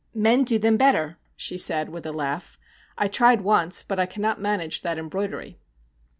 'Men do them better,' she said, with a laugh. 'I tried once, but I cannot manage that embroidery.'